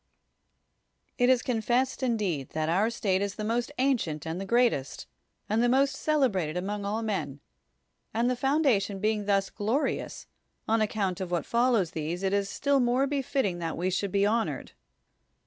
It is confessed indeed that our state is the most ancient and the greatest, and the most celebrated among all men; and the foundation being thus glorious, on account of what follows these it is still more befitting that we should be honored.